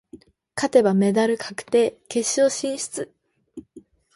勝てばメダル確定、決勝進出。